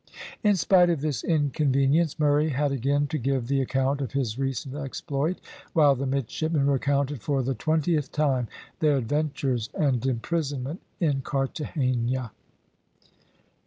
In spite of this inconvenience, Murray had again to give the account of his recent exploit, while the midshipmen recounted for the twentieth time their adventures and imprisonment in Carthagena.